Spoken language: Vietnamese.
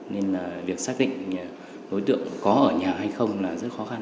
nên là việc xác định đối tượng có ở nhà hay không là rất khó khăn